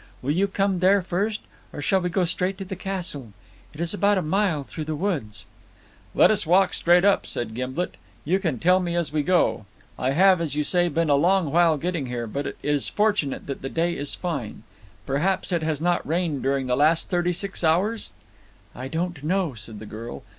"Will you come there first, or shall we go straight to the castle. It is about a mile through the woods." "Let us walk straight up," said Gimblet. "You can tell me as we go. I have, as you say, been a long while getting here, but it is fortunate that the day is fine. I hope it has not rained during the last thirty six hours?" "I don't know," said the girl.